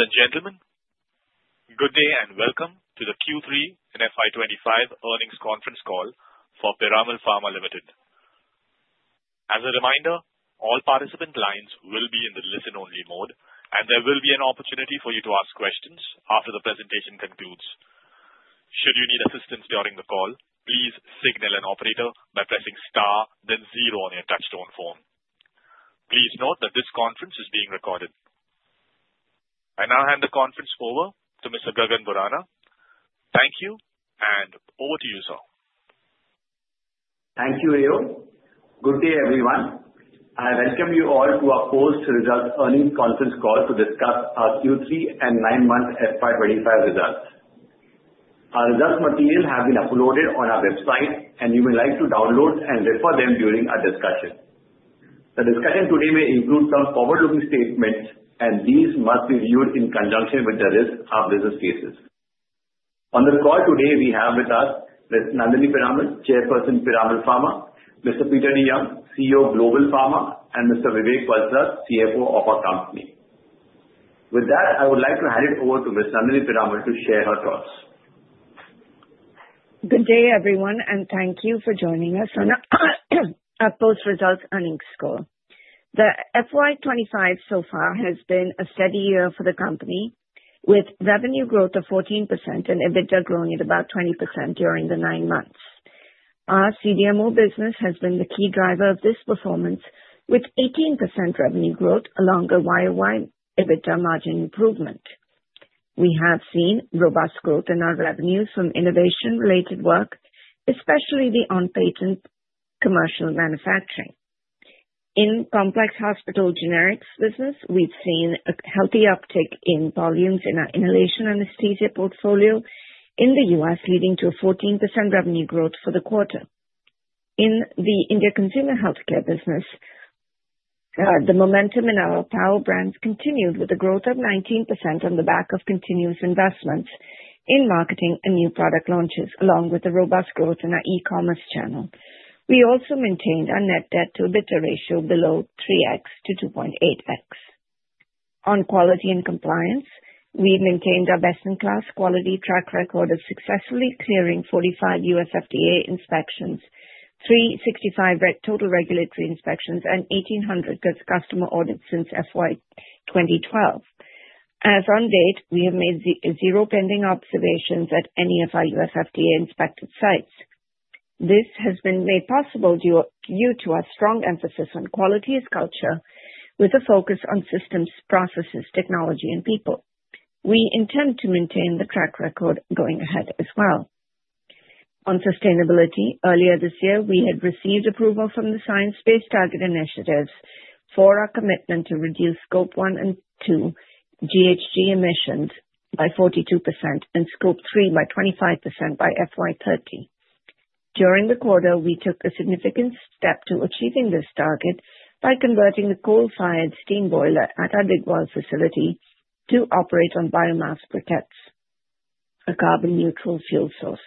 Ladies and gentlemen, good day and welcome to the Q3 and FY25 Earnings Conference Call for Piramal Pharma Limited. As a reminder, all participant lines will be in the listen-only mode, and there will be an opportunity for you to ask questions after the presentation concludes. Should you need assistance during the call, please signal an operator by pressing star, then zero on your touch-tone phone. Please note that this conference is being recorded. I now hand the conference over to Mr. Gagan Borana. Thank you, and over to you, sir. Thank you, Neil. Good day, everyone. I welcome you all to our post-result earnings conference call to discuss our Q3 and nine-month FY25 results. Our results material has been uploaded on our website, and you may like to download and refer to them during our discussion. The discussion today may include some forward-looking statements, and these must be viewed in conjunction with the risk of business cases. On the call today, we have with us Ms. Nandini Piramal, Chairperson, Piramal Pharma, Mr. Peter DeYoung, CEO, Global Pharma, and Mr. Vivek Valsaraj, CFO of our company. With that, I would like to hand it over to Ms. Nandini Piramal to share her thoughts. Good day, everyone, and thank you for joining us on our post-result earnings call. The FY25 so far has been a steady year for the company, with revenue growth of 14% and EBITDA growing at about 20% during the nine months. Our CDMO business has been the key driver of this performance, with 18% revenue growth along the YOY EBITDA margin improvement. We have seen robust growth in our revenues from innovation-related work, especially the on-patent commercial manufacturing. In Complex Hospital Generics business, we've seen a healthy uptick in volumes in our inhalation anesthesia portfolio in the U.S., leading to a 14% revenue growth for the quarter. In the India consumer healthcare business, the momentum in our power brands continued with a growth of 19% on the back of continuous investments in marketing and new product launches, along with the robust growth in our e-commerce channel. We also maintained our net debt-to-EBITDA ratio below 3x to 2.8x. On quality and compliance, we maintained our best-in-class quality track record of successfully clearing 45 U.S. FDA inspections, 365 total regulatory inspections, and 1,800 customer audits since FY2012. As on date, we have made zero pending observations at any of our U.S. FDA-inspected sites. This has been made possible due to our strong emphasis on quality as culture, with a focus on systems, processes, technology, and people. We intend to maintain the track record going ahead as well. On sustainability, earlier this year, we had received approval from the Science Based Targets initiative for our commitment to reduce Scope one and two GHG emissions by 42% and Scope three by 25% by FY30. During the quarter, we took a significant step to achieving this target by converting the coal-fired steam boiler at our Digwal facility to operate on biomass briquettes, a carbon-neutral fuel source.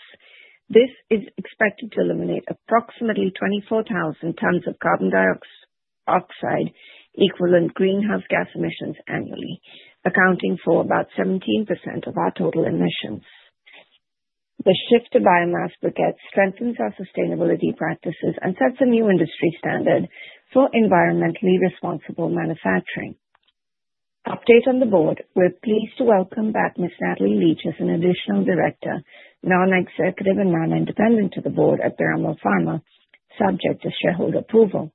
This is expected to eliminate approximately 24,000 tons of carbon dioxide equivalent greenhouse gas emissions annually, accounting for about 17% of our total emissions. The shift to biomass briquettes strengthens our sustainability practices and sets a new industry standard for environmentally responsible manufacturing. Update on the board. We're pleased to welcome back Ms. Natalie Leitch as an additional director, non-executive and non-independent to the board at Piramal Pharma, subject to shareholder approval.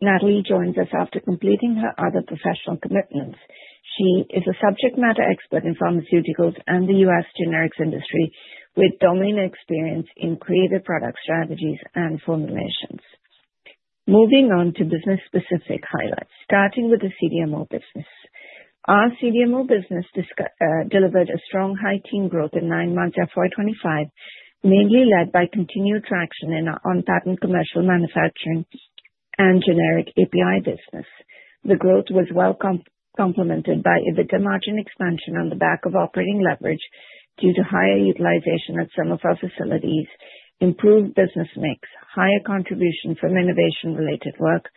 Natalie joins us after completing her other professional commitments. She is a subject matter expert in pharmaceuticals and the U.S. generics industry, with domain experience in creative product strategies and formulations. Moving on to business-specific highlights, starting with the CDMO business. Our CDMO business delivered a strong high-teens growth in nine months FY25, mainly led by continued traction in our on-patent commercial manufacturing and generic API business. The growth was well complemented by EBITDA margin expansion on the back of operating leverage due to higher utilization at some of our facilities, improved business mix, higher contribution from innovation-related work,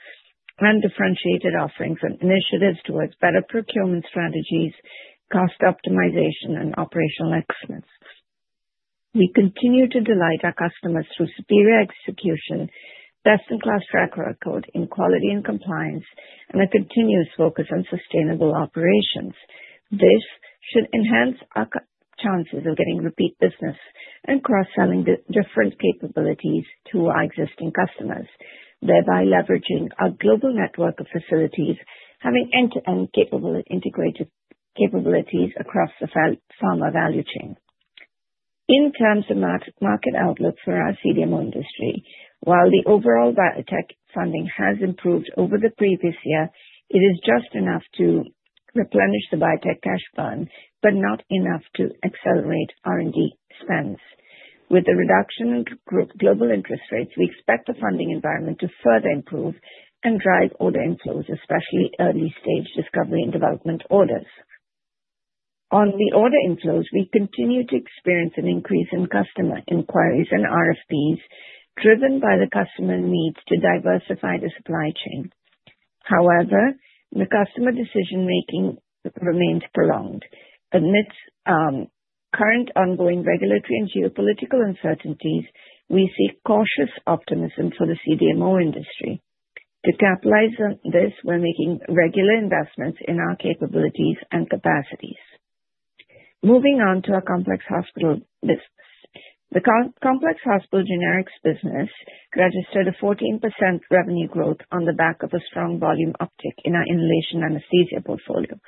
and differentiated offerings and initiatives towards better procurement strategies, cost optimization, and operational excellence. We continue to delight our customers through superior execution, best-in-class track record in quality and compliance, and a continuous focus on sustainable operations. This should enhance our chances of getting repeat business and cross-selling different capabilities to our existing customers, thereby leveraging our global network of facilities, having end-to-end capability across the pharma value chain. In terms of market outlook for our CDMO industry, while the overall biotech funding has improved over the previous year, it is just enough to replenish the biotech cash fund, but not enough to accelerate R&D spends. With the reduction in global interest rates, we expect the funding environment to further improve and drive order inflows, especially early-stage discovery and development orders. On the order inflows, we continue to experience an increase in customer inquiries and RFPs driven by the customer needs to diversify the supply chain. However, the customer decision-making remains prolonged. Amidst current ongoing regulatory and geopolitical uncertainties, we seek cautious optimism for the CDMO industry. To capitalize on this, we're making regular investments in our capabilities and capacities. Moving on to our complex hospital business. The complex hospital generics business registered a 14% revenue growth on the back of a strong volume uptick in our inhalation anesthesia portfolio.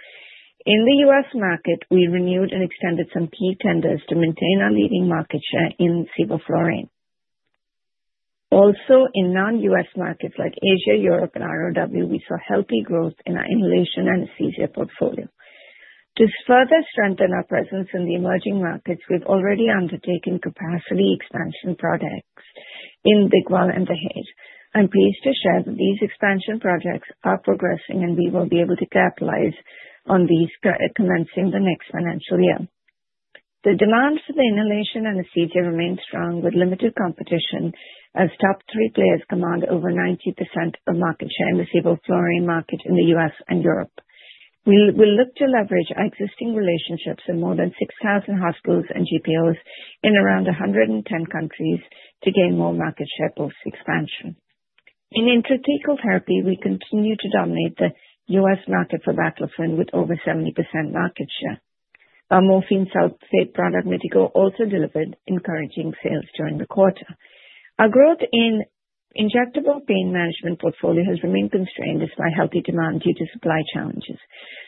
In the U.S. market, we renewed and extended some key tenders to maintain our leading market share in sevoflurane. Also, in non-U.S. markets like Asia, Europe, and ROW, we saw healthy growth in our inhalation anesthesia portfolio. To further strengthen our presence in the emerging markets, we've already undertaken capacity expansion projects in Digwal and Dahej. I'm pleased to share that these expansion projects are progressing, and we will be able to capitalize on these commencing the next financial year. The demand for the inhalation anesthesia remains strong, with limited competition as top three players command over 90% of market share in the Sevoflurane market in the U.S. and Europe. We'll look to leverage our existing relationships in more than 6,000 hospitals and GPOs in around 110 countries to gain more market share post-expansion. In intrathecal therapy, we continue to dominate the U.S. market for baclofen with over 70% market share. Our morphine sulfate product, Mitigo, also delivered encouraging sales during the quarter. Our growth in injectable pain management portfolio has remained constrained despite healthy demand due to supply challenges.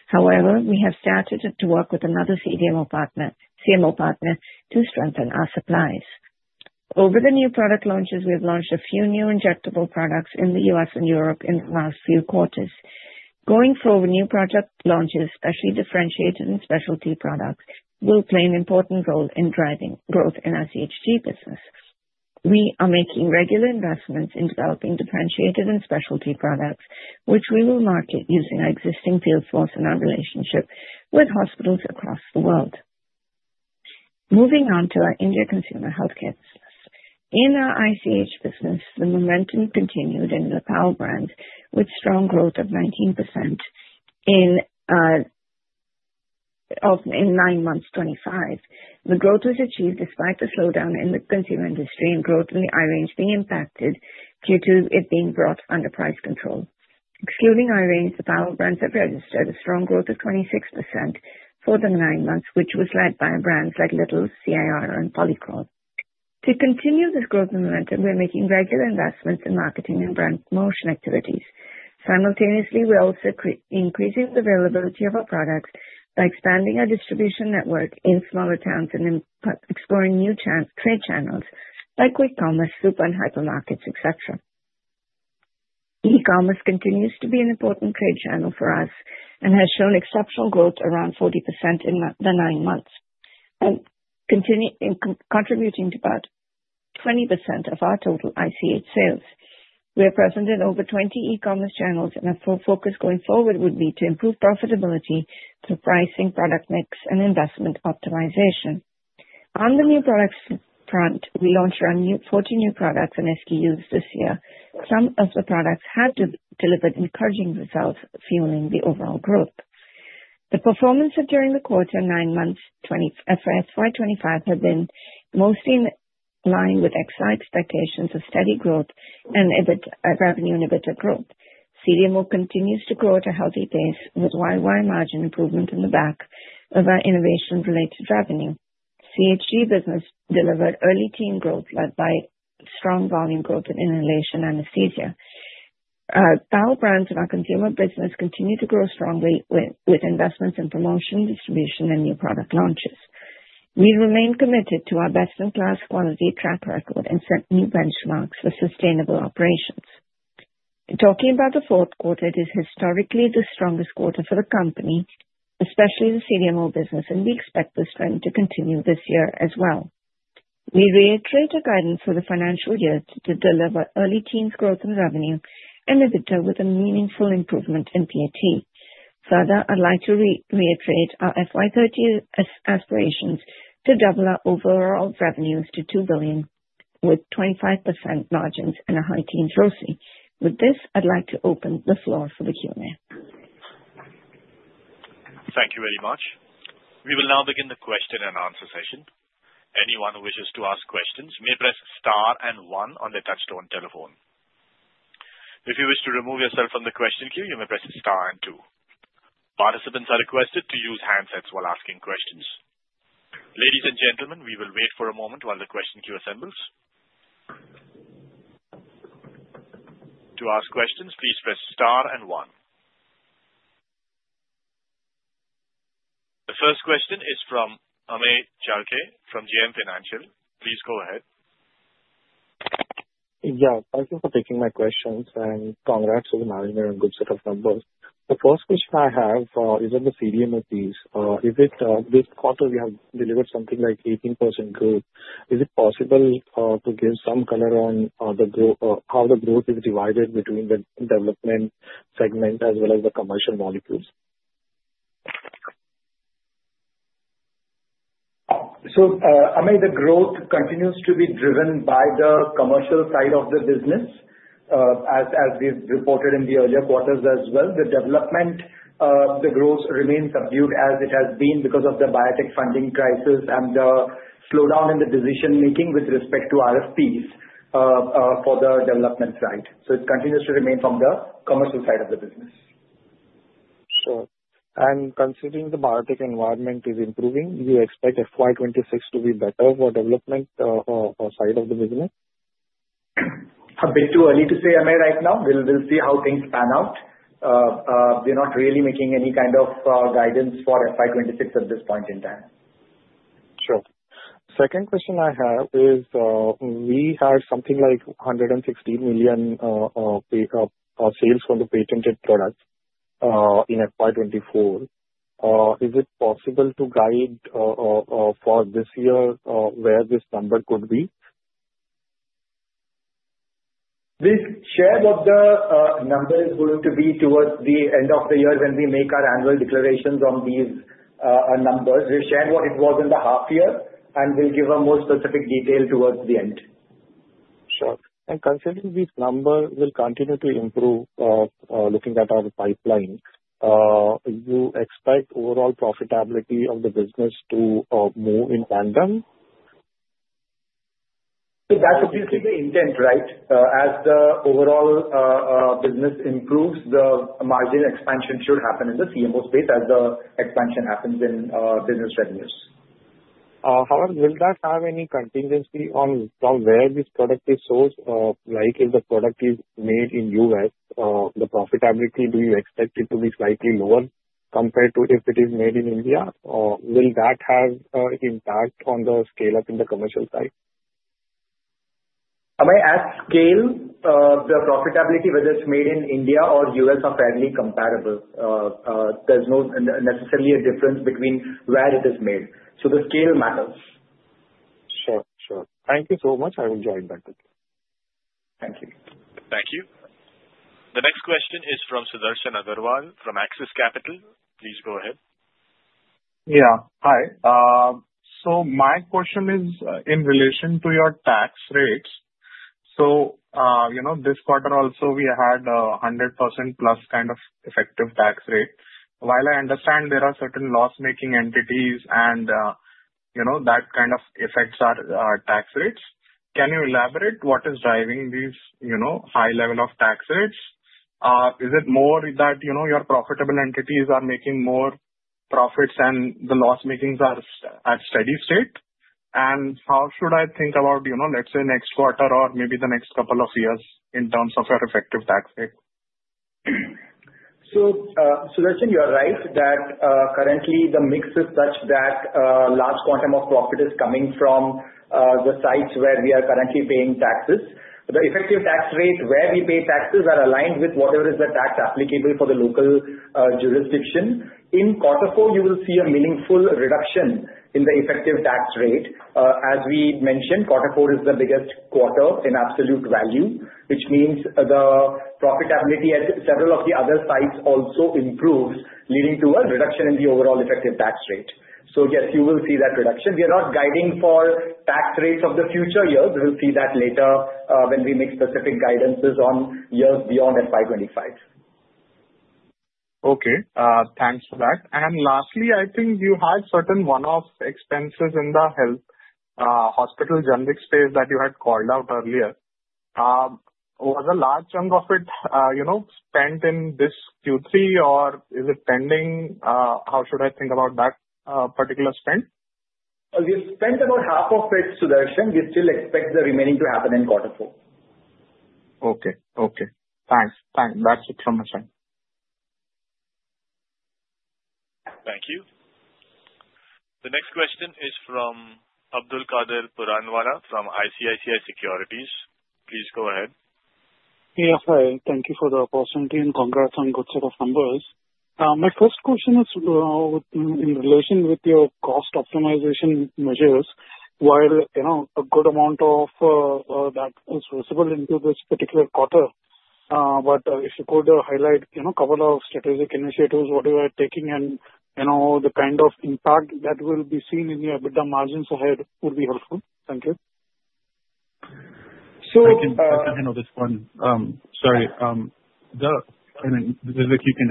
However, we have started to work with another CDMO partner to strengthen our supplies. Over the new product launches, we have launched a few new injectable products in the U.S. and Europe in the last few quarters. Going forward, new product launches, especially differentiated and specialty products, will play an important role in driving growth in our CHG business. We are making regular investments in developing differentiated and specialty products, which we will market using our existing field force and our relationship with hospitals across the world. Moving on to our India Consumer Healthcare business. In our ICH business, the momentum continued in the power brands with strong growth of 19% in nine months 2025. The growth was achieved despite the slowdown in the consumer industry and growth in the I-range being impacted due to it being brought under price control. Excluding I-range, the power brands have registered a strong growth of 26% for the nine months, which was led by brands like Little's, CIR, and Polycrol. To continue this growth and momentum, we're making regular investments in marketing and brand promotion activities. Simultaneously, we're also increasing the availability of our products by expanding our distribution network in smaller towns and exploring new trade channels like quick commerce, super and hypermarkets, etc. E-commerce continues to be an important trade channel for us and has shown exceptional growth around 40% in the nine months, contributing to about 20% of our total ICH sales. We are present in over 20 e-commerce channels, and our full focus going forward would be to improve profitability through pricing, product mix, and investment optimization. On the new products front, we launched around 40 new products and SKUs this year. Some of the products have delivered encouraging results, fueling the overall growth. The performance during the quarter and nine months for FY25 has been mostly in line with expected expectations of steady growth and revenue and EBITDA growth. CDMO continues to grow at a healthy pace with YOY margin improvement on the back of our innovation-related revenue. CHG business delivered early-teens growth led by strong volume growth in inhalation anesthesia. Our power brands and our consumer business continue to grow strongly with investments in promotion, distribution, and new product launches. We remain committed to our best-in-class quality track record and set new benchmarks for sustainable operations. Talking about the fourth quarter, it is historically the strongest quarter for the company, especially the CDMO business, and we expect this trend to continue this year as well. We reiterate our guidance for the financial year mid-teens growth in revenue and EBITDA with a meaningful improvement in PAT. Further, I'd like to reiterate our FY30 aspirations to double our overall revenues to $2 billion with 25% margins and a high-teens growth. With this, I'd like to open the floor for the Q&A. Thank you very much. We will now begin the question and answer session. Anyone who wishes to ask questions may press star and one on the touch-tone telephone. If you wish to remove yourself from the question queue, you may press star and two. Participants are requested to use handsets while asking questions. Ladies and gentlemen, we will wait for a moment while the question queue assembles. To ask questions, please press star and one. The first question is from Amey Chalke from JM Financial. Please go ahead. Yeah. Thank you for taking my questions, and congrats to the management and good set of numbers. The first question I have is on the CDMO piece. This quarter, we have delivered something like 18% growth. Is it possible to give some color on how the growth is divided between the development segment as well as the commercial molecules? So Amey, the growth continues to be driven by the commercial side of the business, as we've reported in the earlier quarters as well. The development, the growth remains subdued as it has been because of the biotech funding crisis and the slowdown in the decision-making with respect to RFPs for the development side. So it continues to remain from the commercial side of the business. Sure, and considering the biotech environment is improving, do you expect FY26 to be better for development side of the business? A bit too early to say, Amey, right now. We'll see how things pan out. We're not really making any kind of guidance for FY26 at this point in time. Sure. Second question I have is we have something like $116 million sales for the patented products in FY24. Is it possible to guide for this year where this number could be? We share what the number is going to be towards the end of the year when we make our annual declarations on these numbers. We'll share what it was in the half year, and we'll give a more specific detail towards the end. Sure. And considering this number will continue to improve looking at our pipeline, do you expect overall profitability of the business to move in tandem? That would be the intent, right? As the overall business improves, the margin expansion should happen in the CMO space as the expansion happens in business revenues. However, will that have any contingency on where this product is sourced? Like if the product is made in the U.S., the profitability, do you expect it to be slightly lower compared to if it is made in India? Will that have an impact on the scale-up in the commercial side? Amey, at scale, the profitability, whether it's made in India or U.S., are fairly comparable. There's not necessarily a difference between where it is made, so the scale matters. Sure. Sure. Thank you so much. I will join back. Thank you. Thank you. The next question is from Sudarshan Agarwal from AXIS Capital. Please go ahead. Yeah. Hi. So my question is in relation to your tax rates. So this quarter also, we had a 100%+ kind of effective tax rate. While I understand there are certain loss-making entities and that kind of affects the tax rates, can you elaborate what is driving these high level of tax rates? Is it more that your profitable entities are making more profits and the loss-makings are at steady state? And how should I think about, let's say, next quarter or maybe the next couple of years in terms of your effective tax rate? So Sudarshan, you're right that currently the mix is such that large quantum of profit is coming from the sites where we are currently paying taxes. The effective tax rate where we pay taxes are aligned with whatever is the tax applicable for the local jurisdiction. In quarter four, you will see a meaningful reduction in the effective tax rate. As we mentioned, quarter four is the biggest quarter in absolute value, which means the profitability at several of the other sites also improves, leading to a reduction in the overall effective tax rate. So yes, you will see that reduction. We are not guiding for tax rates of the future years. We will see that later when we make specific guidances on years beyond FY25. Okay. Thanks for that. And lastly, I think you had certain one-off expenses in the Complex Hospital Generics space that you had called out earlier. Was a large chunk of it spent in this Q3, or is it pending? How should I think about that particular spend? We've spent about half of it, Sudarshan. We still expect the remaining to happen in quarter four. Okay. Okay. Thanks. Thanks. That's it from my side. Thank you. The next question is from Abdulkader Puranwala from ICICI Securities. Please go ahead. Yes, hi. Thank you for the opportunity and congrats on good set of numbers. My first question is in relation with your cost optimization measures, while a good amount of that is visible into this particular quarter, but if you could highlight a couple of strategic initiatives, what you are taking and the kind of impact that will be seen in your EBITDA margins ahead would be helpful. Thank you. So I can handle this one. Sorry. If you can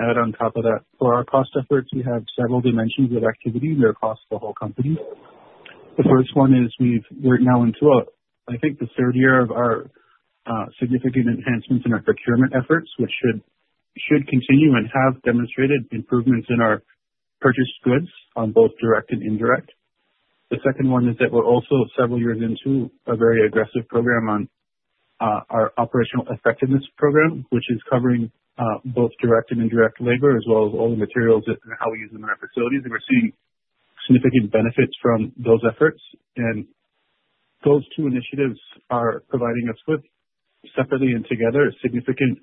add on top of that, for our cost efforts, we have several dimensions of activity that cross the whole company. The first one is we're now into, I think, the third year of our significant enhancements in our procurement efforts, which should continue and have demonstrated improvements in our purchased goods on both direct and indirect. The second one is that we're also several years into a very aggressive program on our operational effectiveness program, which is covering both direct and indirect labor as well as all the materials and how we use them in our facilities. And we're seeing significant benefits from those efforts. And those two initiatives are providing us with, separately and together, significant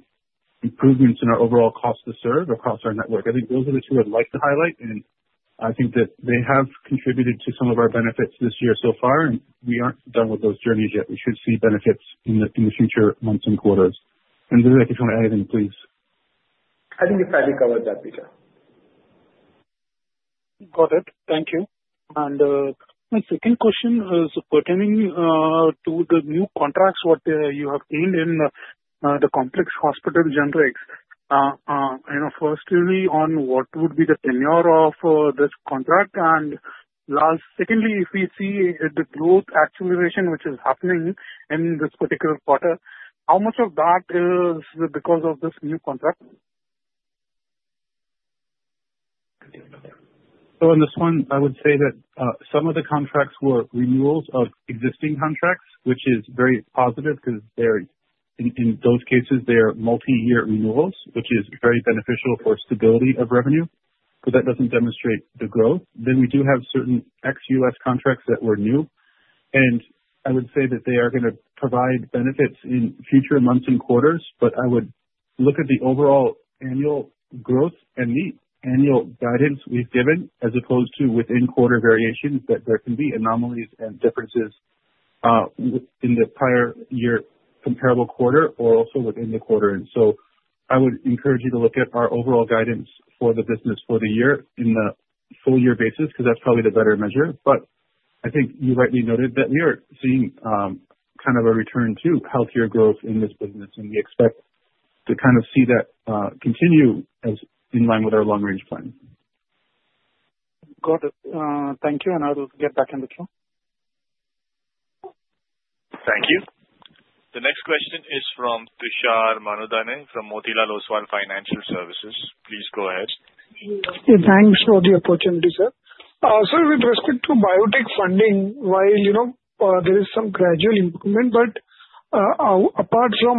improvements in our overall cost to serve across our network. I think those are the two I'd like to highlight, and I think that they have contributed to some of our benefits this year so far, and we aren't done with those journeys yet. We should see benefits in the future months and quarters, and Neil, if you want to add anything, please. I think you've probably covered that, Peter. Got it. Thank you. And my second question is pertaining to the new contracts that you have seen in the Complex Hospital Generics. Firstly, on what would be the tenure of this contract? And secondly, if we see the growth acceleration which is happening in this particular quarter, how much of that is because of this new contract? So on this one, I would say that some of the contracts were renewals of existing contracts, which is very positive because in those cases, they are multi-year renewals, which is very beneficial for stability of revenue. But that doesn't demonstrate the growth. Then we do have certain ex-U.S. contracts that were new. And I would say that they are going to provide benefits in future months and quarters, but I would look at the overall annual growth and the annual guidance we've given as opposed to within quarter variations that there can be anomalies and differences in the prior year comparable quarter or also within the quarter end. So I would encourage you to look at our overall guidance for the business for the year in the full-year basis because that's probably the better measure. But I think you rightly noted that we are seeing kind of a return to healthier growth in this business, and we expect to kind of see that continue in line with our long-range plan. Got it. Thank you. And I will get back in the queue. Thank you. The next question is from Tushar Manudane from Motilal Oswal Financial Services. Please go ahead. Thanks for the opportunity, sir. So with respect to biotech funding, while there is some gradual improvement, but apart from,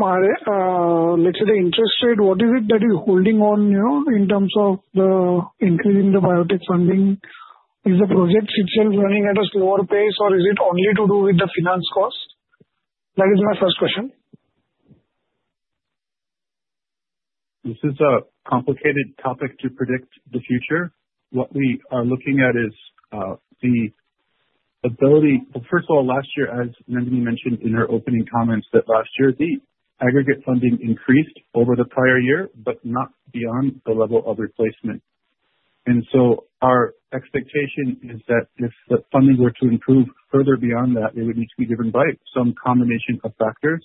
let's say, the interest rate, what is it that is holding on in terms of increasing the biotech funding? Is the project itself running at a slower pace, or is it only to do with the finance cost? That is my first question. This is a complicated topic to predict the future. What we are looking at is the ability, well, first of all, last year, as Nandini mentioned in her opening comments, that last year, the aggregate funding increased over the prior year but not beyond the level of replacement, so our expectation is that if the funding were to improve further beyond that, it would need to be driven by some combination of factors.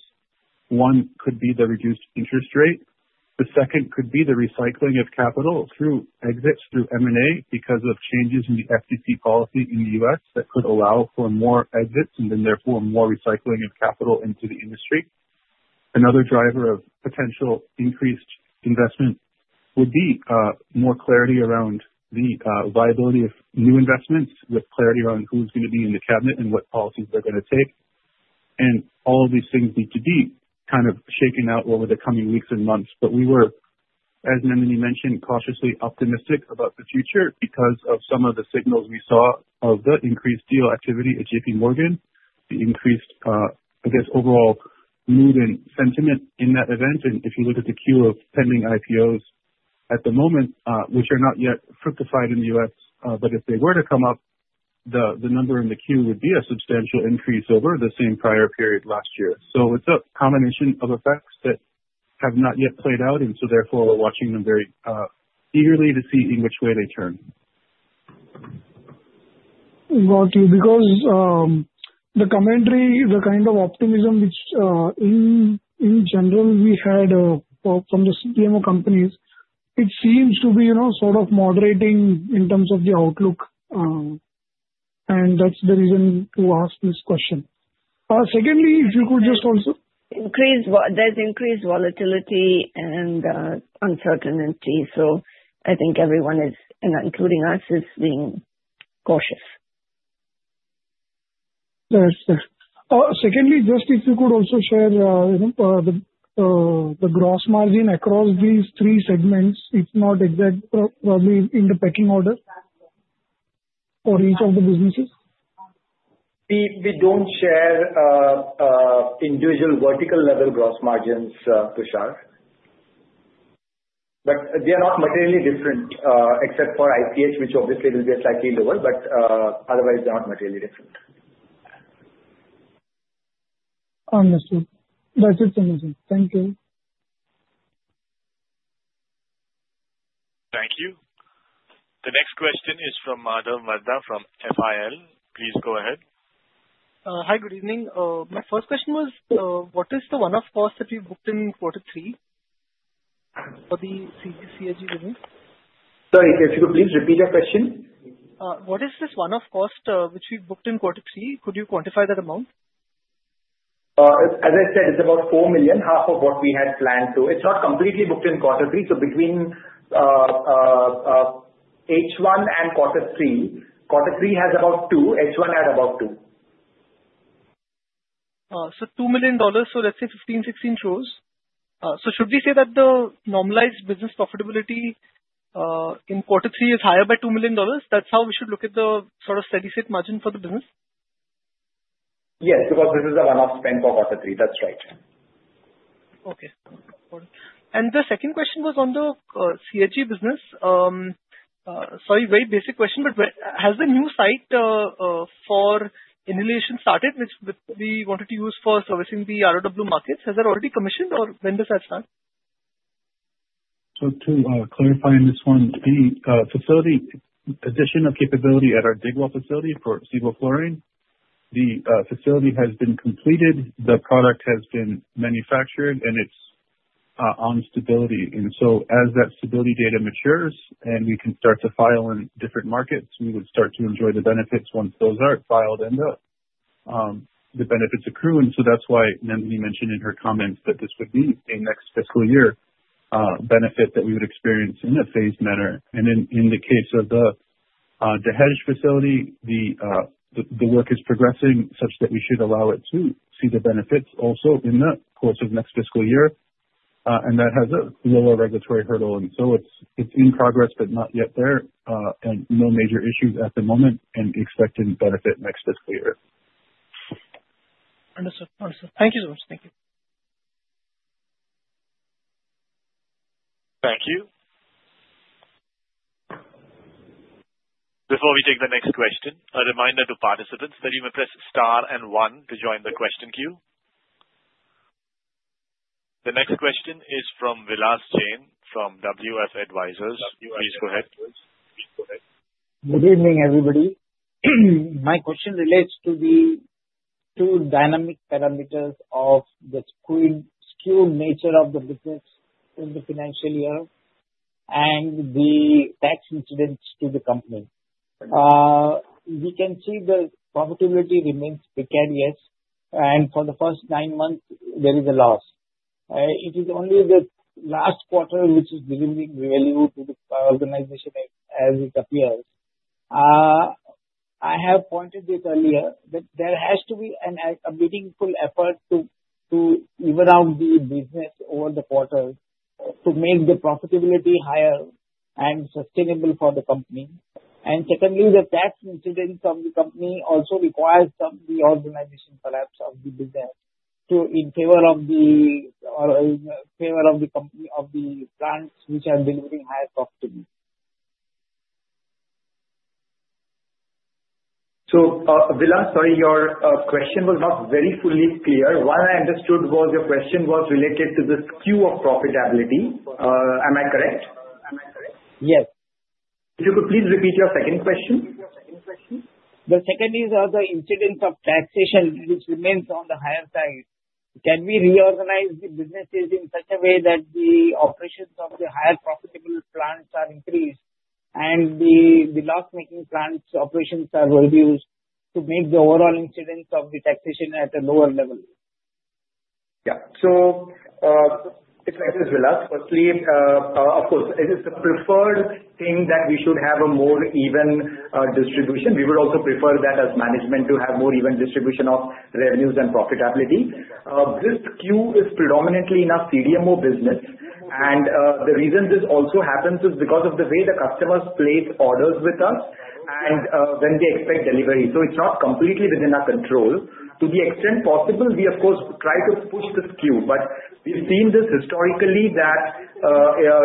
One could be the reduced interest rate. The second could be the recycling of capital through exits through M&A because of changes in the FTC policy in the U.S. that could allow for more exits and then therefore more recycling of capital into the industry. Another driver of potential increased investment would be more clarity around the viability of new investments with clarity around who's going to be in the cabinet and what policies they're going to take. And all of these things need to be kind of shaken out over the coming weeks and months. But we were, as Nandini mentioned, cautiously optimistic about the future because of some of the signals we saw of the increased deal activity at JPMorgan, the increased, I guess, overall mood and sentiment in that event. And if you look at the queue of pending IPOs at the moment, which are not yet fructified in the U.S., but if they were to come up, the number in the queue would be a substantial increase over the same prior period last year. So it's a combination of effects that have not yet played out, and so therefore, we're watching them very eagerly to see in which way they turn. Got you. Because the commentary, the kind of optimism which in general we had from the CMO companies, it seems to be sort of moderating in terms of the outlook. And that's the reason to ask this question. Secondly, if you could just also. There's increased volatility and uncertainty. So I think everyone, including us, is being cautious. Yes, sir. Secondly, just if you could also share the gross margin across these three segments, if not exact, probably in the pecking order for each of the businesses. We don't share individual vertical-level gross margins, Tushar. But they are not materially different except for ICH, which obviously will be slightly lower. But otherwise, they're not materially different. Understood. That's it, Nandini. Thank you. Thank you. The next question is from Madhav Marda from FIL. Please go ahead. Hi, good evening. My first question was, what is the one-off cost that we booked in quarter three for the CHG building? Sorry, if you could please repeat your question. What is this one-off cost which we booked in quarter three? Could you quantify that amount? As I said, it's about four million, half of what we had planned to. It's not completely booked in quarter three. So between H1 and quarter three, quarter three has about two. H1 had about two. So $2 million. So let's say 15, 16 shows. So should we say that the normalized business profitability in quarter three is higher by $2 million? That's how we should look at the sort of steady-state margin for the business? Yes, because this is a one-off spend for quarter three. That's right. Okay. And the second question was on the CHG business. Sorry, very basic question, but has the new site for inhalation started, which we wanted to use for servicing the ROW markets? Has that already commissioned, or when does that start? To clarify on this one, the facility addition of capability at our Digwal facility for Sevoflurane, the facility has been completed, the product has been manufactured, and it's on stability. That stability data matures and we can start to file in different markets, we would start to enjoy the benefits once those are filed and the benefits accrue. That's why Nandini mentioned in her comments that this would be a next fiscal year benefit that we would experience in a phased manner. In the case of the Dahej facility, the work is progressing such that we should allow it to see the benefits also in the course of next fiscal year. That has a lower regulatory hurdle. It's in progress, but not yet there, and no major issues at the moment, and expecting benefit next fiscal year. Understood. Thank you so much. Thank you. Thank you. Before we take the next question, a reminder to participants that you may press star and one to join the question queue. The next question is from Vilas Jain from WF Advisors. Please go ahead. Good evening, everybody. My question relates to the two dynamic parameters of the skewed nature of the business in the financial year and the tax incidence to the company. We can see the profitability remains precarious, and for the first nine months, there is a loss. It is only the last quarter which is delivering revenue to the organization as it appears. I have pointed this earlier, but there has to be a meaningful effort to even out the business over the quarter to make the profitability higher and sustainable for the company. And secondly, the tax incidence of the company also require some reorganization, perhaps, of the business in favor of the company of the brands which are delivering higher profitability. So Vilas, sorry, your question was not very fully clear. What I understood was your question was related to the skew of profitability. Am I correct? Yes. If you could please repeat your second question. The second is the incidence of taxation, which remains on the higher side. Can we reorganize the businesses in such a way that the operations of the higher profitable plants are increased and the loss-making plants' operations are reduced to make the overall incidence of the taxation at a lower level? Yeah. So if I say, Vilas, firstly, of course, it is the preferred thing that we should have a more even distribution. We would also prefer that as management to have more even distribution of revenues and profitability. This Q3 is predominantly in our CDMO business. And the reason this also happens is because of the way the customers place orders with us and when they expect delivery. So it's not completely within our control. To the extent possible, we, of course, try to push the skew, but we've seen this historically that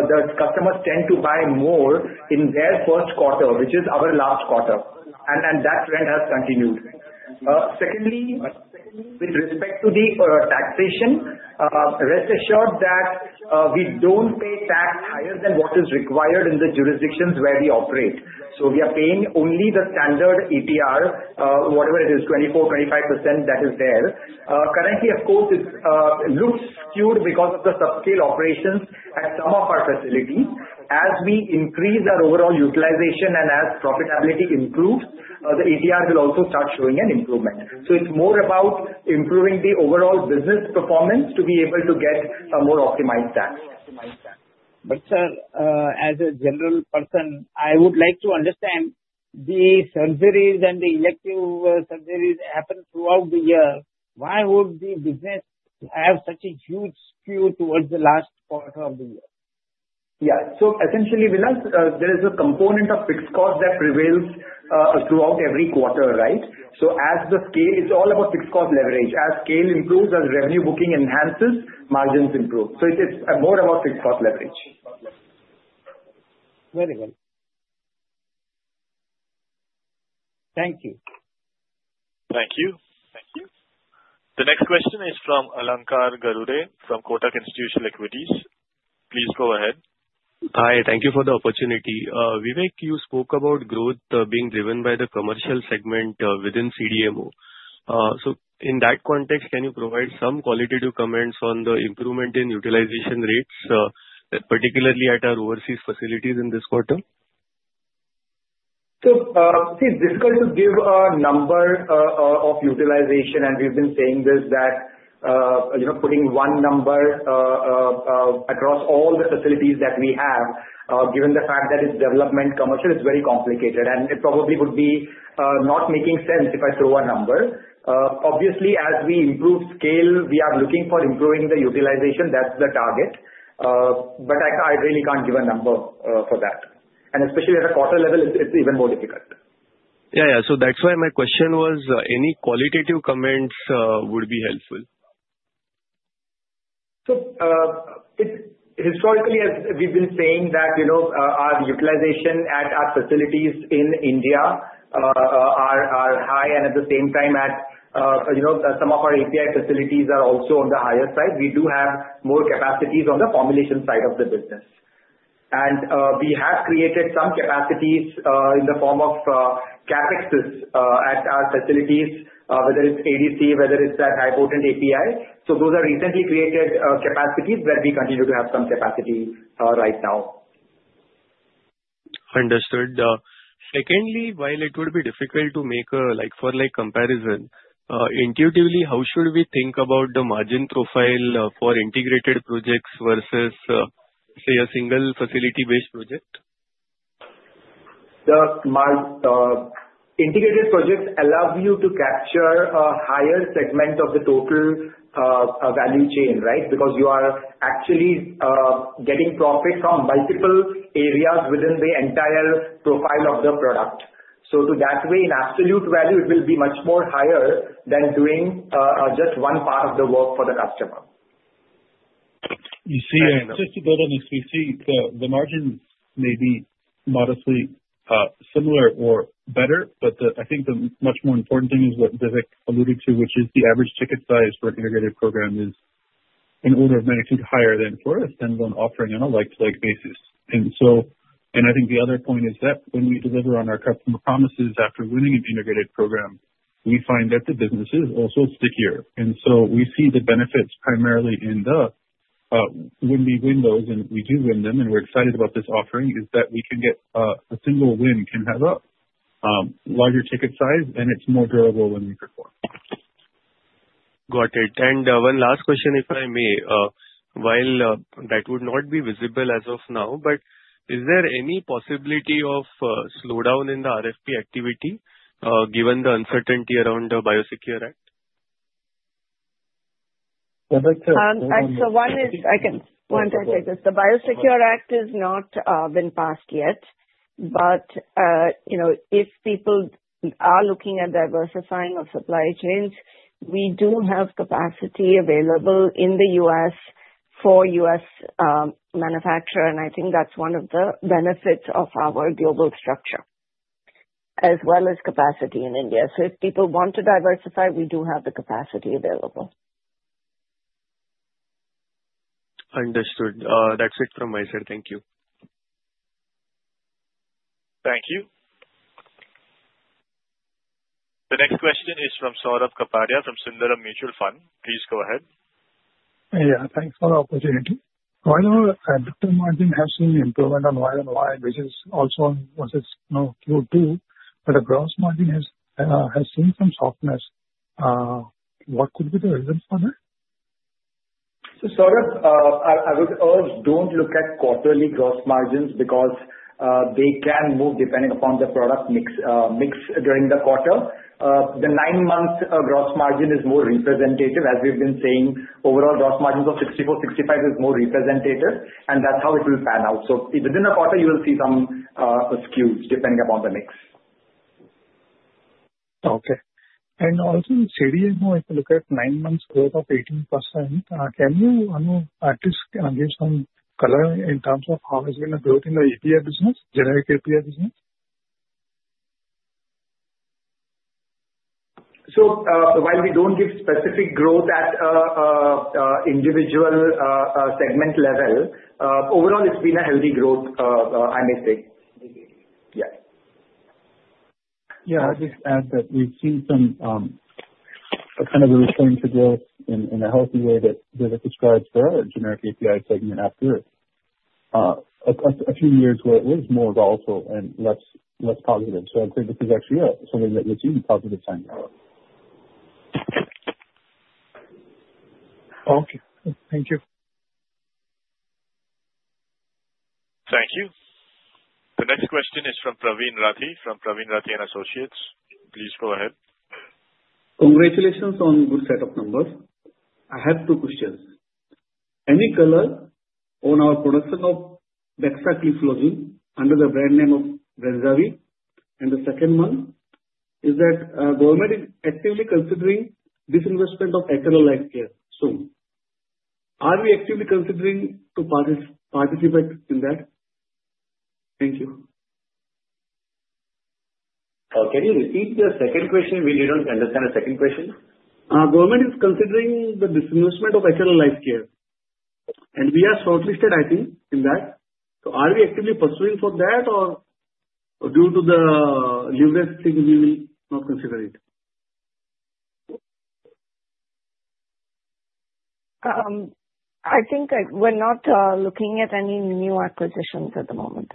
the customers tend to buy more in their first quarter, which is our last quarter. And that trend has continued. Secondly, with respect to the taxation, rest assured that we don't pay tax higher than what is required in the jurisdictions where we operate. So we are paying only the standard ETR, whatever it is, 24%-25% that is there. Currently, of course, it looks skewed because of the subscale operations at some of our facilities. As we increase our overall utilization and as profitability improves, the ETR will also start showing an improvement. So it's more about improving the overall business performance to be able to get a more optimized tax. But, sir, as a general person, I would like to understand the surgeries and the elective surgeries happen throughout the year. Why would the business have such a huge skew towards the last quarter of the year? Yeah. So, essentially, Vilas, there is a component of fixed cost that prevails throughout every quarter, right? So, as the scale is all about fixed cost leverage. As scale improves, as revenue booking enhances, margins improve. So, it is more about fixed cost leverage. Very well. Thank you. Thank you. The next question is from Alankar Garude from Kotak Institutional Equities. Please go ahead. Hi. Thank you for the opportunity. Vivek, you spoke about growth being driven by the commercial segment within CDMO. So in that context, can you provide some qualitative comments on the improvement in utilization rates, particularly at our overseas facilities in this quarter? So it's difficult to give a number of utilization, and we've been saying this that putting one number across all the facilities that we have, given the fact that it's development commercial, it's very complicated. And it probably would be not making sense if I throw a number. Obviously, as we improve scale, we are looking for improving the utilization. That's the target. But I really can't give a number for that. And especially at a quarter level, it's even more difficult. Yeah, yeah. So that's why my question was, any qualitative comments would be helpful. Historically, as we've been saying that our utilization at our facilities in India are high, and at the same time, some of our API facilities are also on the higher side. We do have more capacities on the formulation side of the business. And we have created some capacities in the form of CapExs at our facilities, whether it's ADC, whether it's that high-potent API. Those are recently created capacities where we continue to have some capacity right now. Understood. Secondly, while it would be difficult to make a comparison, intuitively, how should we think about the margin profile for integrated projects versus, say, a single facility-based project? The integrated projects allow you to capture a higher segment of the total value chain, right? Because you are actually getting profit from multiple areas within the entire profile of the product. So that way, in absolute value, it will be much more higher than doing just one part of the work for the customer. You see, just to build on this, we see the margins may be modestly similar or better, but I think the much more important thing is what Vivek alluded to, which is the average ticket size for an integrated program is in order of magnitude higher than for a standalone offering on a like-to-like basis. And I think the other point is that when we deliver on our customer promises after winning an integrated program, we find that the business is also stickier. And so we see the benefits primarily in the when we win those, and we do win them, and we're excited about this offering, is that we can get a single win can have a larger ticket size, and it's more durable when we perform. Got it. And one last question, if I may. While that would not be visible as of now, but is there any possibility of slowdown in the RFP activity given the uncertainty around the BIOSECURE Act? One is I can one quick question. The BIOSECURE Act has not been passed yet, but if people are looking at diversifying of supply chains, we do have capacity available in the U.S. for U.S. manufacturers. I think that's one of the benefits of our global structure as well as capacity in India. If people want to diversify, we do have the capacity available. Understood. That's it from my side. Thank you. Thank you. The next question is from Saurabh Kapadia from Sundaram Mutual Fund. Please go ahead. Yeah. Thanks for the opportunity. While our adjusted margin has seen improvement on YoY, which is also on what is now Q2, but the gross margin has seen some softness. What could be the reason for that? Saurabh, I would urge don't look at quarterly gross margins because they can move depending upon the product mix during the quarter. The nine-month gross margin is more representative. As we've been saying, overall gross margins of 64%-65% is more representative, and that's how it will pan out. Within a quarter, you will see some skews depending upon the mix. Okay. And also in CDMO, if you look at nine months growth of 18%, can you at least give some color in terms of how it's going to grow in the API business, generic API business? So while we don't give specific growth at individual segment level, overall, it's been a healthy growth, I may say. Yeah. Yeah. I'll just add that we've seen some kind of a return to growth in a healthy way that Vivek described for our generic API segment after a few years where it was more volatile and less positive. So I'd say this is actually something that we've seen positive signs of. Okay. Thank you. Thank you. The next question is from Praveen Rathi from Praveen Rathi & Associates. Please go ahead. Congratulations on good set of numbers. I have two questions. Any color on our production of bexagliflozin under the brand name of Brenzavvy? And the second one is that government is actively considering this disinvestment of HLL here soon. Are we actively considering to participate in that? Thank you. Can you repeat the second question? We didn't understand the second question. Government is considering the disinvestment of HLL here. And we are shortlisted, I think, in that. So are we actively pursuing for that, or due to the leverage thing, we will not consider it? I think we're not looking at any new acquisitions at the moment.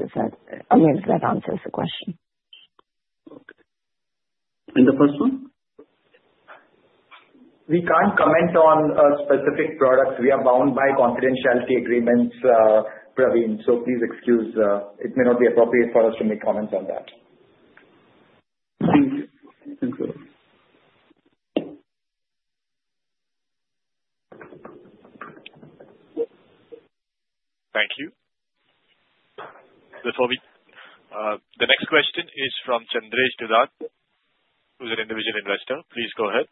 I mean, that answers the question. Okay. And the first one? We can't comment on specific products. We are bound by confidentiality agreements, Praveen. So please excuse. It may not be appropriate for us to make comments on that. Thank you. Thank you. The next question is from Chandresh Dudheria, who's an individual investor. Please go ahead.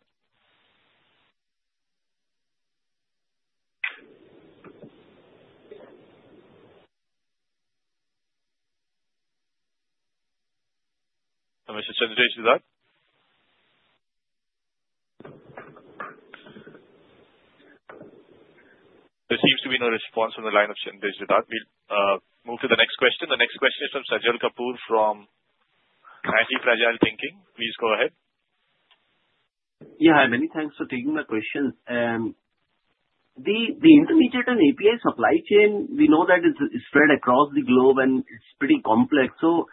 Mr. Chandresh Dudheria? There seems to be no response on the line of Chandresh Dudheria. We'll move to the next question. The next question is from Sajal Kapoor from Antifragile Thinking. Please go ahead. Yeah. Many thanks for taking my question. The intermediate and API supply chain, we know that it's spread across the globe, and it's pretty complex. So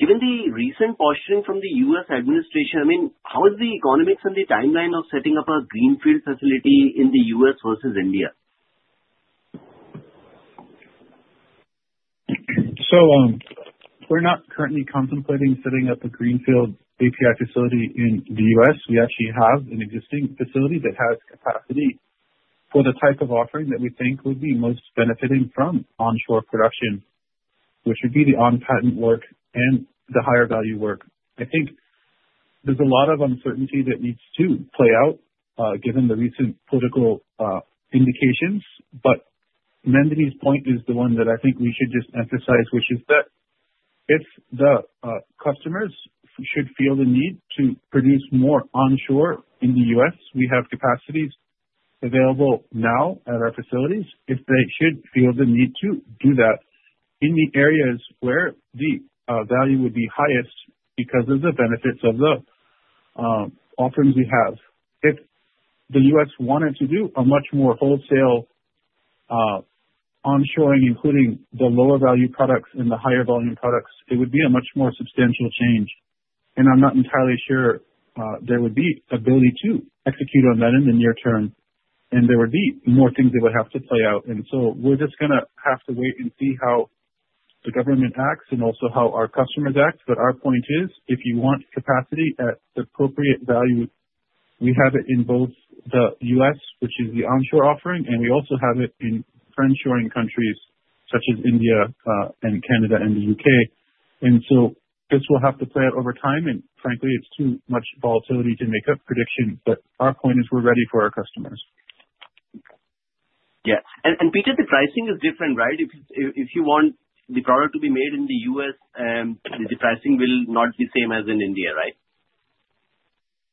given the recent posturing from the U.S. administration, I mean, how is the economics and the timeline of setting up a greenfield facility in the U.S. versus India? We're not currently contemplating setting up a greenfield API facility in the U.S.. We actually have an existing facility that has capacity for the type of offering that we think would be most benefiting from onshore production, which would be the on-patent work and the higher value work. I think there's a lot of uncertainty that needs to play out given the recent political indications. But Nandini's point is the one that I think we should just emphasize, which is that if the customers should feel the need to produce more onshore in the U.S., we have capacities available now at our facilities. If they should feel the need to do that in the areas where the value would be highest because of the benefits of the offerings we have. If the U.S. wanted to do a much more wholesale onshoring, including the lower value products and the higher volume products, it would be a much more substantial change. And I'm not entirely sure there would be ability to execute on that in the near term, and there would be more things that would have to play out. And so we're just going to have to wait and see how the government acts and also how our customers act. But our point is, if you want capacity at the appropriate value, we have it in both the U.S., which is the onshore offering, and we also have it in friend-shoring countries such as India and Canada and the U.K.. And so this will have to play out over time. And frankly, it's too much volatility to make a prediction. But our point is we're ready for our customers. Yeah. And because the pricing is different, right? If you want the product to be made in the U.S., the pricing will not be the same as in India, right?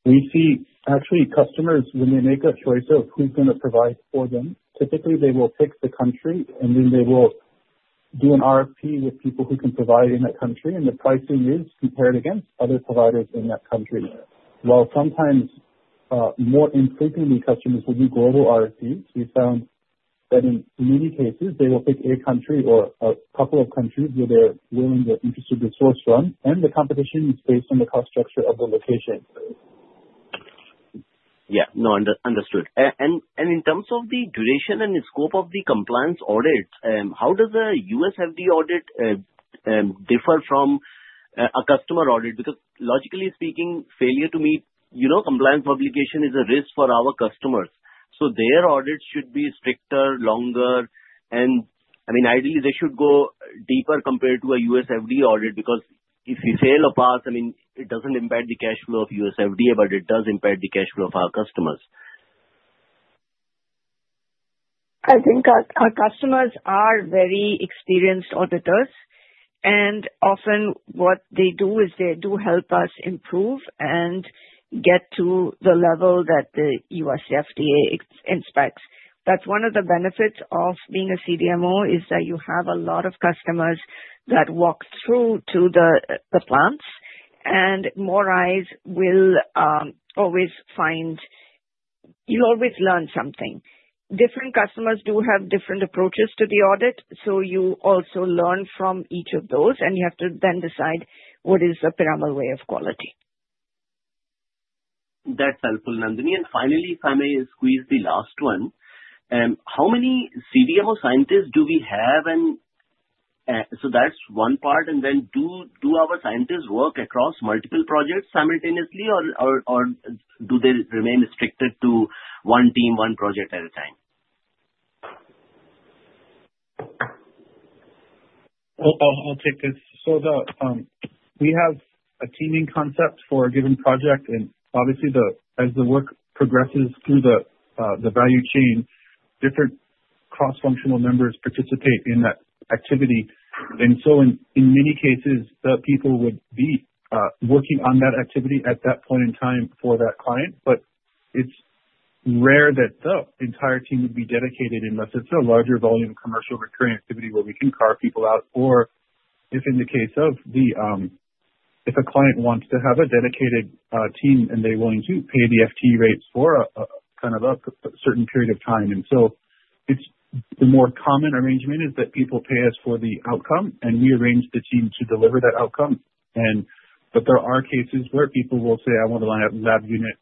We see, actually, customers, when they make a choice of who's going to provide for them, typically they will pick the country, and then they will do an RFP with people who can provide in that country, and the pricing is compared against other providers in that country. While sometimes more infrequently, customers will do global RFPs, we found that in many cases, they will pick a country or a couple of countries where they're willing or interested to source from, and the competition is based on the cost structure of the location. Yeah. No, understood. And in terms of the duration and the scope of the compliance audit, how does a U.S. FDA audit differ from a customer audit? Because logically speaking, failure to meet compliance obligation is a risk for our customers. So their audits should be stricter, longer. And I mean, ideally, they should go deeper compared to a U.S. FDA audit because if we fail U.S. FDA, I mean, it doesn't impact the cash flow of U.S. FDA, but it does impact the cash flow of our customers. I think our customers are very experienced auditors, and often what they do is they do help us improve and get to the level that the U.S. FDA inspects. That's one of the benefits of being a CDMO, that you have a lot of customers that walk through the plants, and more eyes will always find, you'll always learn something. Different customers do have different approaches to the audit, so you also learn from each of those, and you have to then decide what is the Piramal way of quality. That's helpful, Nandini. And finally, if I may squeeze the last one, how many CDMO scientists do we have? And so that's one part. And then do our scientists work across multiple projects simultaneously, or do they remain restricted to one team, one project at a time? I'll take this. So we have a teaming concept for a given project. And obviously, as the work progresses through the value chain, different cross-functional members participate in that activity. And so in many cases, the people would be working on that activity at that point in time for that client. But it's rare that the entire team would be dedicated unless it's a larger volume commercial recurring activity where we can carve people out or if in the case of if a client wants to have a dedicated team, and they're willing to pay the FT rates for kind of a certain period of time. And so the more common arrangement is that people pay us for the outcome, and we arrange the team to deliver that outcome. But there are cases where people will say, "I want to line up a lab unit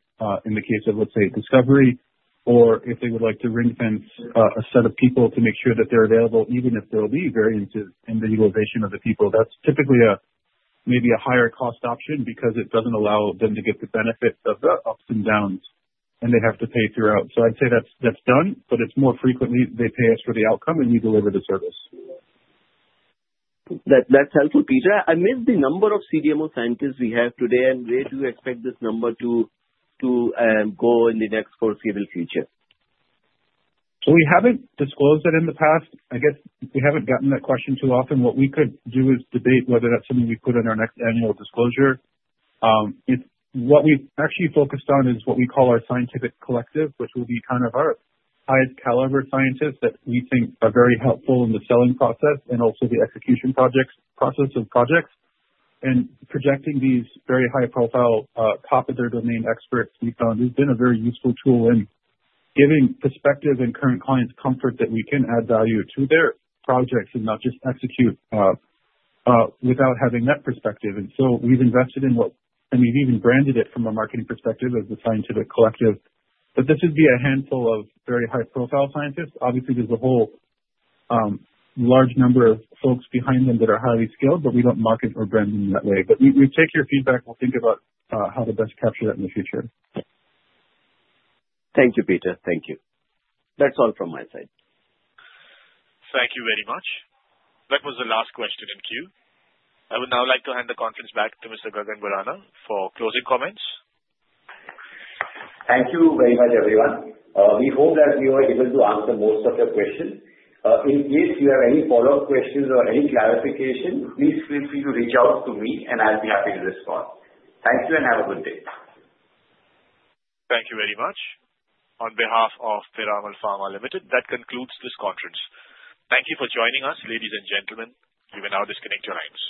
in the case of, let's say, discovery," or if they would like to ring-fence a set of people to make sure that they're available even if there will be variances in the utilization of the people. That's typically maybe a higher-cost option because it doesn't allow them to get the benefit of the ups and downs, and they have to pay throughout. So I'd say that's done, but it's more frequently they pay us for the outcome, and we deliver the service. That's helpful, Peter. I missed the number of CDMO scientists we have today, and where do you expect this number to go in the next foreseeable future? So we haven't disclosed that in the past. I guess we haven't gotten that question too often. What we could do is debate whether that's something we put in our next annual disclosure. What we've actually focused on is what we call our scientific collective, which will be kind of our high-caliber scientists that we think are very helpful in the selling process and also the execution process of projects. And projecting these very high-profile top-of-the-domain experts, we found we've been a very useful tool in giving perspective and current clients comfort that we can add value to their projects and not just execute without having that perspective. And so we've invested in what and we've even branded it from a marketing perspective as the scientific collective. But this would be a handful of very high-profile scientists. Obviously, there's a whole large number of folks behind them that are highly skilled, but we don't market or brand them that way. But we take your feedback. We'll think about how to best capture that in the future. Thank you, Peter. Thank you. That's all from my side. Thank you very much. That was the last question in queue. I would now like to hand the conference back to Mr. Gagan Borana for closing comments. Thank you very much, everyone. We hope that we were able to answer most of your questions. In case you have any follow-up questions or any clarification, please feel free to reach out to me, and I'll be happy to respond. Thank you and have a good day. Thank you very much. On behalf of Piramal Pharma Limited, that concludes this conference. Thank you for joining us, ladies and gentlemen. You may now disconnect your lines.